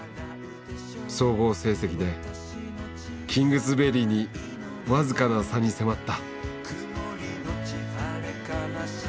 総合成績でキングズベリーに僅かな差に迫った。